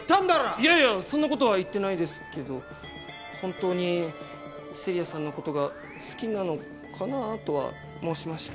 いやいやそんなことは言ってないですけど本当に聖里矢さんのことが好きなのかな？とは申しました。